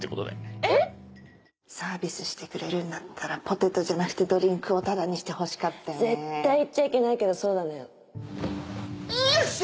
えっ！サービスしてくれるんだったらポテトじゃなくてドリンクをタダにしてほしかったよね絶対言っちゃいけないけどそうなのよよっしゃ！